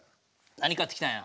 何買ってきたんや？